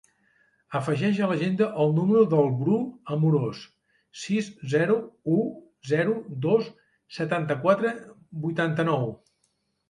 Afegeix a l'agenda el número del Bru Amoros: sis, zero, u, zero, dos, setanta-quatre, vuitanta-nou.